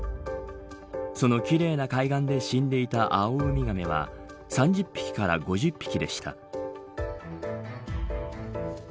その奇麗な海岸で死んでいたアオウミガメが３０匹から５０匹でした。